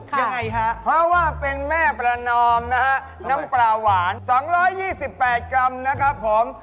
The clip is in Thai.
ยังไงฮะเพราะว่าเป็นแม่ประนอมนะฮะน้ำปลาหวาน๒๒๘กรัมนะครับผม